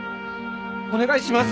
お願いします。